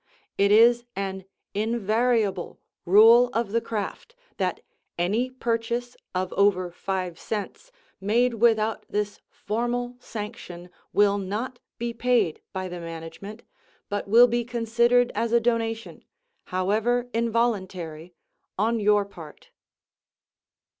It is an invariable rule of the craft that any purchase of over five cents made without this formal sanction will not be paid by the management, but will be considered as a donation however involuntary on your part.